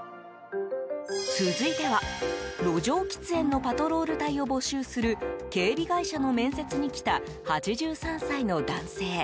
続いては、路上喫煙のパトロール隊を募集する警備会社の面接に来た８３歳の男性。